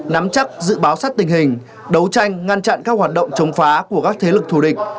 nắm chắc dự báo sát tình hình đấu tranh ngăn chặn các hoạt động chống phá của các thế lực thù địch